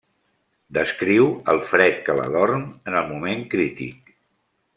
Descriu el fred que l'adorm en el moment crític.